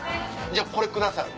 じゃあこれください。